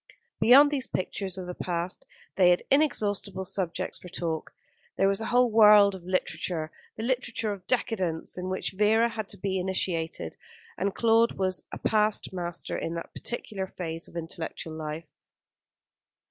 Beyond these pictures of the past they had inexhaustible subjects for talk. There was a whole world of literature, the literature of decadence, in which Vera had to be initiated, and Claude was a past master in that particular phase of intellectual life.